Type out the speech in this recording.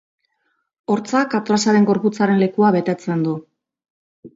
Hortzak atlasaren gorputzaren lekua betetzen du.